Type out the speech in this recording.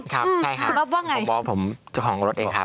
ขอบบอกผมของรถเองครับ